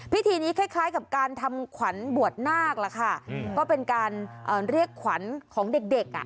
พิธีนี้คล้ายกับการทำขวัญบวชนาคล่ะค่ะก็เป็นการเรียกขวัญของเด็กเด็กอ่ะ